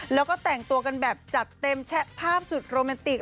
แล้วก็แต่งตัวกันแบบจัดเต็มแชะภาพสุดโรแมนติก